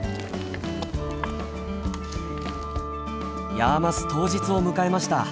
ヤーマス当日を迎えました。